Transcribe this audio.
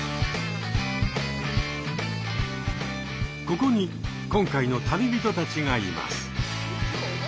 ここに今回の旅人たちがいます。